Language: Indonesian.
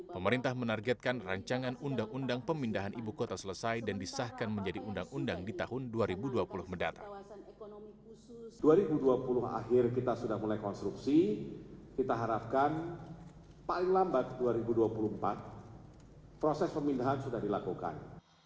pemerintah menargetkan rancangan undang undang pemindahan ibu kota selesai dan disahkan menjadi undang undang di tahun dua ribu dua puluh mendatang